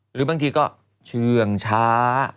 หรือบางทีก็เชื่องช้า